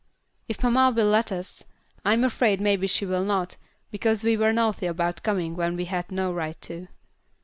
"If mamma will let us. I'm afraid maybe she will not, because we were naughty about coming when we had no right to."